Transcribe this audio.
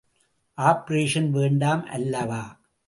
Operation வேண்டாம் அல்லவா?